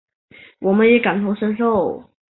我们也感同身受